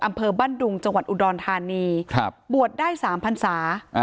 อำเภอบ้านดุงจังหวัดอุดรธานีครับบวชได้สามพันศา